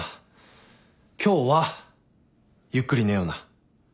今日はゆっくり寝ような。